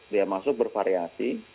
biaya masuk bervariasi